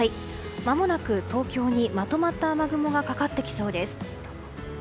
まもなく東京にまとまった雨雲がかかってきそうです。